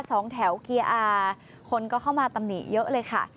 สองแถวเกียร์อาร์คนก็เข้ามาตำหนิเยอะเลยค่ะ